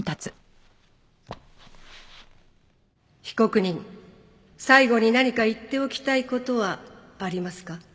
被告人最後に何か言っておきたい事はありますか？